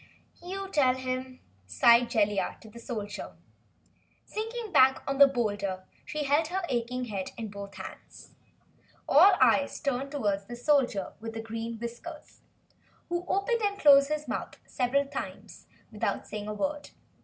"You tell him," sighed Jellia to the Soldier. Sinking back on the boulder she held her aching head in both hands. All eyes turned toward the Soldier with Green Whiskers who opened and closed his mouth several times without saying a word.